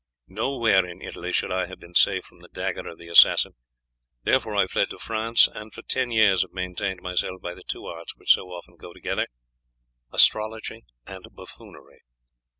Nowhere in Italy should I have been safe from the dagger of the assassin, therefore I fled to France, and for ten years have maintained myself by the two arts which so often go together, astrology and buffoonery.